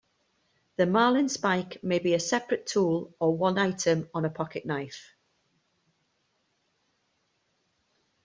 The marlinspike may be a separate tool or one item on a pocket knife.